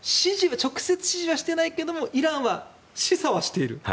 直接指示はしてないけどイランは示唆はしている。